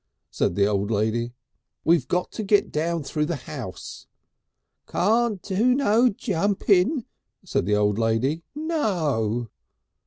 said the old lady. "We'll have to get down through the house!" "Can't do no jumpin'," said the old lady. "No!"